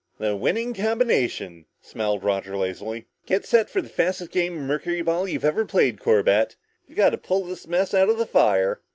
"The winning combination," smiled Roger lazily. "Get set for the fastest game of mercuryball you've ever played, Corbett! We've got to pull this mess out of the fire!"